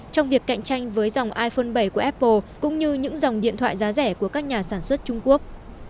trong việc cạnh tranh với dòng iphone bảy của apple cũng như những dòng điện thoại giá rẻ của các nhà sản xuất trung quốc